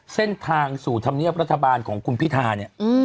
เส้นทางสู่ธรรมเนียบรัฐบาลของคุณพิธาเนี่ย